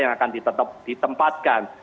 yang akan ditempatkan